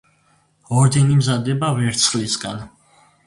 ორდენი მზადდება ვერცხლისაგან.